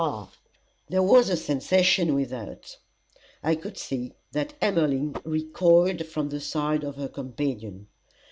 Ha!" There was a sensation without. I could see that Emmeline recoiled from the side of her companion.